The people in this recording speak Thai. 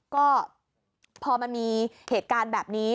ก็พอมันมีเหตุการณ์แบบนี้